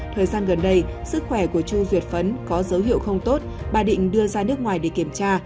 thời gian gần đây sức khỏe của chu duyệt phấn có dấu hiệu không tốt bà định đưa ra nước ngoài để kiểm tra